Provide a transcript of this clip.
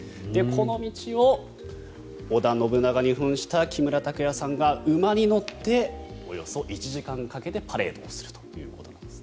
この道を織田信長に扮した木村拓哉さんが馬に乗っておよそ１時間かけてパレードをするということなんです。